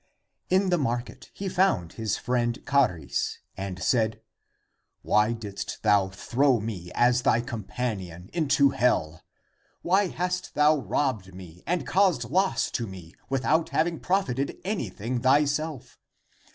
In the market he found his friend Charis, and said, " Why didst thou throw me as thy com panion into Hell? Why hast thou robbed me and caused loss to me without having profited anything thyself?